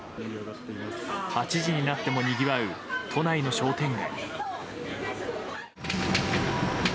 ８時になっても、にぎわう都内の商店街。